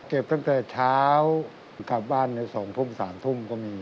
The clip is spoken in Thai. ตั้งแต่เช้ากลับบ้านใน๒ทุ่ม๓ทุ่มก็มี